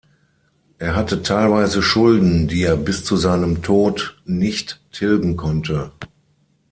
Er hatte teilweise Schulden, die er bis zu seinem Tod nicht tilgen konnte.